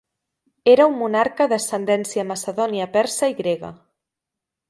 Era un monarca d'ascendència macedònia persa i grega.